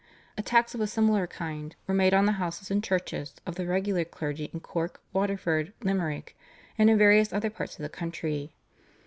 Attacks of a similar kind were made on the houses and churches of the regular clergy in Cork, Waterford, Limerick, and in various other parts of the country.